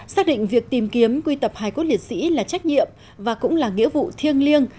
xác định việc tìm kiếm quy tập hải quốc liệt sĩ là trách nhiệm và cũng là nghĩa vụ thiêng liêng